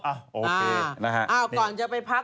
โอเคนะฮะ